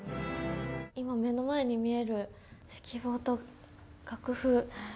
今目の前に見える指揮棒と楽譜。